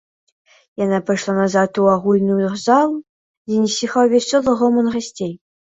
Яна пайшла назад у агульную залу, дзе не сціхаў вясёлы гоман гасцей.